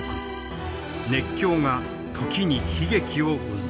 熱狂が時に悲劇を生んだ。